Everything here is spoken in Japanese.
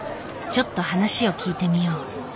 ちょっと話を聞いてみよう。